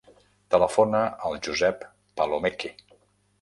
Telefona al Josep Palomeque.